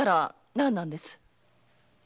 何なんです？